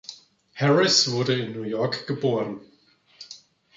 Harris wurde in New York geboren.